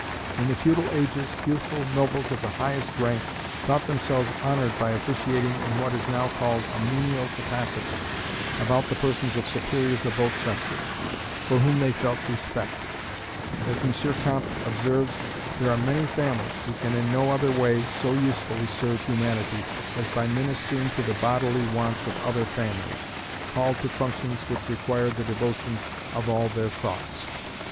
In the feudal ages, youthful nobles of the highest rank thought themselves honoured by officiating in what is now called a menial capacity, about the persons of superiors of both sexes, for whom they felt respect: and, as M. Comte observes, there are many families who can in no other way so usefully serve Humanity, as by ministering to the bodily wants of other families, called to functions which require the devotion of all their thoughts.